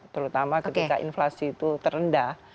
terutama ketika inflasi itu terendah